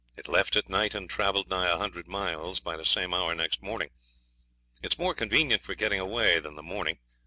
It left at night and travelled nigh a hundred miles by the same hour next morning. It's more convenient for getting away than the morning.